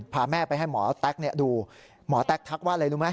พาแม่ไปให้หมอแต๊กดูหมอแต๊กทักว่าอะไรรู้ไหม